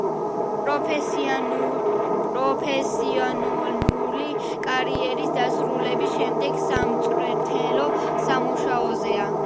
პროფესიონალური კარიერის დასრულების შემდეგ სამწვრთნელო სამუშაოზეა.